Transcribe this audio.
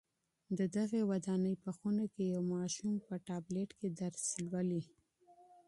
د دغي ودانۍ په خونه کي یو ماشوم په ټابلېټ کي درس لولي.